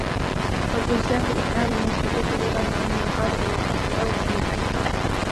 وَالْإِمْسَاكُ إذْعَانٌ وَالسُّكُوتُ رِضًى ، وَأَنْ يَنْقَادَ إلَى الْحَقِّ أَوْلَى مِنْ أَنْ